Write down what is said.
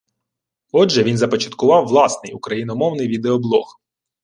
Отже, він започаткував власний, україномовний відеоблог